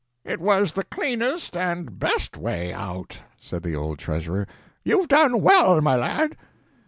"It was the cleanest and best way out," said the old treasurer; "you've done well, my lad."